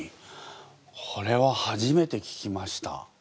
これは初めて聞きました。